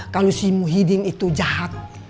kalau si muhyidin itu jahat